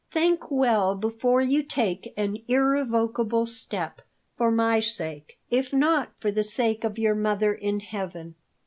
Think well before you take an irrevocable step, for my sake, if not for the sake of your mother in heaven."